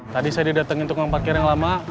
tadi saya didatengin tukang parkir yang lama